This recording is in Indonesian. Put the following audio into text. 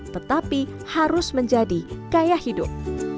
tetapi harus menjadi kaya hidup